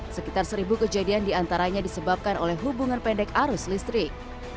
sekitar seribu kejadian diantaranya disebabkan oleh hubungan pendek arus listrik